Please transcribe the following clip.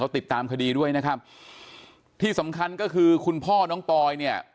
ติดตามคดีด้วยนะครับที่สำคัญก็คือคุณพ่อน้องปอยเนี่ย